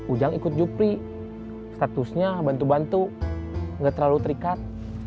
ujang ikut jupri statusnya bantu bantu gak terlalu terikat